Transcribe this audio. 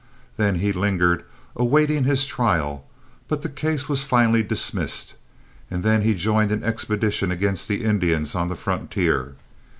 Then he lingered awaiting his trial; but the case was finally dismissed, and then he joined an expedition against the Indians on the frontier.